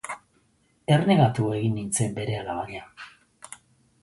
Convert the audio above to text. Ernegatu egin nintzen berehala baina.